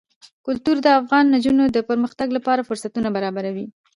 کلتور د افغان نجونو د پرمختګ لپاره فرصتونه برابروي.